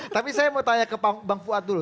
tapi saya mau tanya ke bang fuad dulu